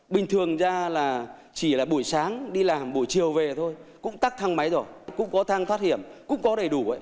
bình thường ra là chỉ là buổi sáng đi làm buổi chiều về thôi cũng tắc thang máy rồi cũng có thang thoát hiểm cũng có đầy đủ